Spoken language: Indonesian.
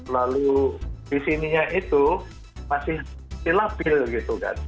lalu di sininya itu masih silabil gitu